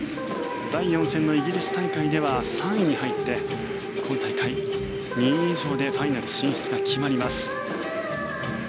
第４戦のイギリス大会では３位に入って今大会、２位以上でファイナル進出が決まります。